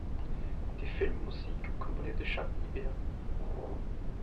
Die Filmmusik komponierte Jacques Ibert.